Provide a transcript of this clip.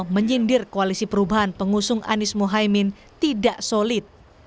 menyindir koalisi perubahan pengusung anies mohaimin tidak solid